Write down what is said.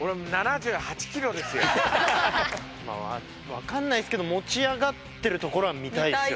分かんないですけど持ち上がってるところは見たいですね。